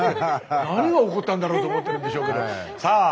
何が起こったんだろうと思ってるんでしょうけどさあ